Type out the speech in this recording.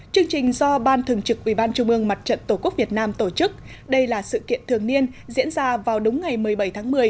chương trình do ban thường trực ubnd tổ quốc việt nam tổ chức đây là sự kiện thường niên diễn ra vào đúng ngày một mươi bảy tháng một mươi